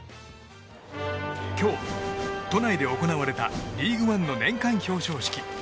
今日都内で行われたリーグワンの年間表彰式。